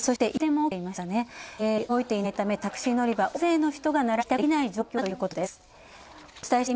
電車が動いていないため、タクシー乗り場、大勢の人が並んで帰宅できない状況だということです。